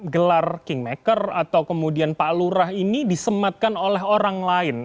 gelar kingmaker atau kemudian pak lurah ini disematkan oleh orang lain